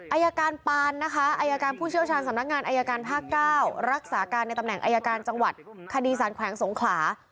อายการปานนะคะอายการผู้เชี่ยวชาญสำนักงานอายการภาค๙รักษาการในตำแหน่งอายการจังหวัดคดีสารแขวงสงขลา